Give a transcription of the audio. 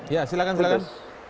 ya silahkan silahkan